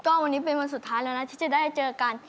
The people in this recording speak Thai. ก็วันนี้เป็นวันสุดท้ายแล้วนะที่จะได้เจอกัน